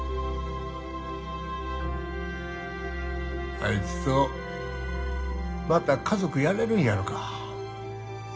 あいつとまた家族やれるんやろか。